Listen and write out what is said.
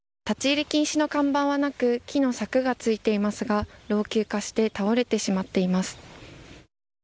立ち入り禁止の看板はなく木の柵がついていますが老朽化して倒れてしまっています。